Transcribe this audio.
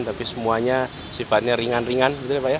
tapi semuanya sifatnya ringan ringan